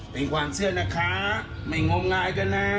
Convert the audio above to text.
เป็นความเชื่อนะคะไม่งมงายกันนะ